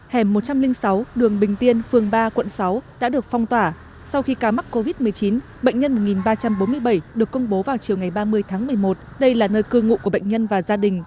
hẻm một trăm linh sáu đường bình tiên phường ba quận sáu đã được phong tỏa sau khi ca mắc covid một mươi chín bệnh nhân một ba trăm bốn mươi bảy được công bố vào chiều ngày ba mươi tháng một mươi một đây là nơi cư ngụ của bệnh nhân và gia đình